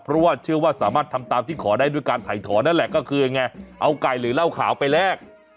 เพราะว่าเชื่อว่าสามารถทำตามที่ขอได้ด้วยการถ่ายถอนนั่นแหละก็คือยังไงเอาไก่หรือเหล้าขาวไปแลก